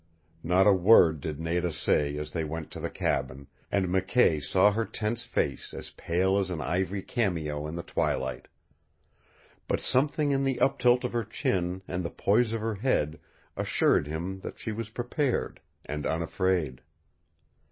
Not a word did Nada say as they went to the cabin, and McKay saw her tense face as pale as an ivory cameo in the twilight. But something in the up tilt of her chin and the poise of her head assured him she was prepared, and unafraid.